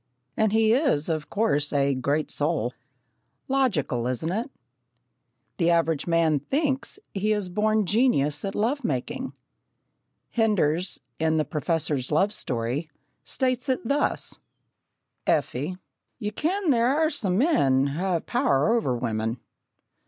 And he is, of course, "a great soul." Logical, isn't it? The average man thinks that he is a born genius at love making. Henders, in The Professor's Love Story, states it thus: "Effie, ye ken there are some men ha' a power o'er women....